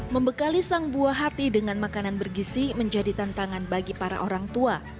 membekali sang buah hati dengan makanan bergisi menjadi tantangan bagi para orang tua